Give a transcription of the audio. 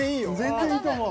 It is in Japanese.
全然いいと思う。